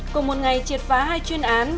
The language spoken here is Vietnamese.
cùng một ngày triệt phá hai chuyên án